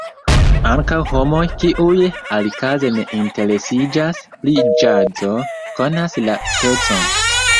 Ankaŭ homoj, kiuj alikaze ne interesiĝas pri ĵazo, konas la pecon.